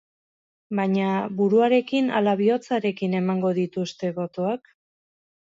Baina, buruarekin ala bihotzarekin emango dituzte botoak?